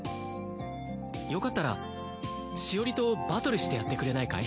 よかったらシオリとバトルしてやってくれないかい？